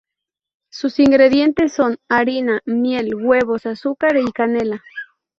Sus ingredientes son: harina, miel, huevos, azúcar y canela.